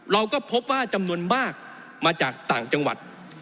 เราก็พบว่าจำนวนมากมาจากต่างจังหวัด